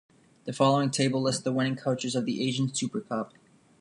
The following table lists the winning coaches of the Asian Super Cup.